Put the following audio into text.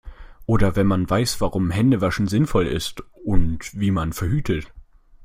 Oder wenn man weiß, warum Hände waschen sinnvoll ist und wie man verhütet.